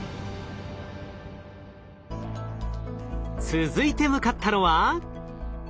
続いて向かったのは。